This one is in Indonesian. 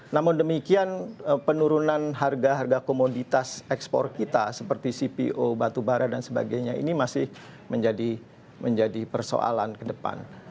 namun demikian penurunan harga harga komoditas ekspor kita seperti cpo batubara dan sebagainya ini masih menjadi persoalan ke depan